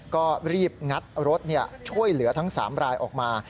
ก็รีบงัดรถช่วยเหลือทั้ง๓รายออกมา